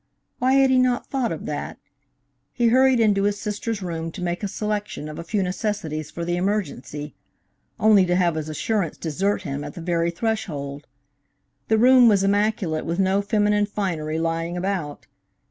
Why had he not thought of that? He hurried into his sister's room to make a selection of a few necessities for the emergency only to have his assurance desert him at the very threshold. The room was immaculate, with no feminine finery lying about.